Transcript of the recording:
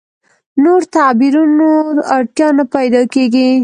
نور تعبیرونو اړتیا نه پیدا کېږي.